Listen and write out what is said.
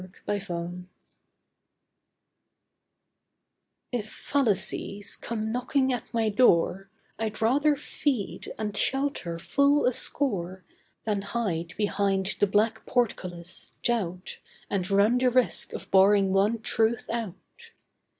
'CREDULITY' If fallacies come knocking at my door, I'd rather feed, and shelter full a score, Than hide behind the black portcullis, doubt, And run the risk of barring one Truth out.